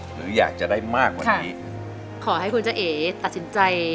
หรืออยากจะได้มากกว่านี้ขอให้คุณเจ้าเอ๋ตัดสินใจ